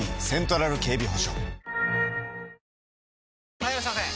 ・はいいらっしゃいませ！